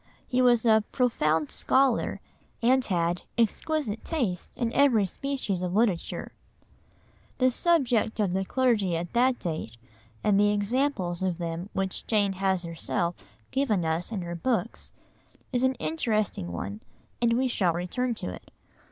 He was a "profound scholar" and had "exquisite taste in every species of literature." The subject of the clergy at that date, and the examples of them which Jane has herself given us in her books, is an interesting one, and we shall return to it.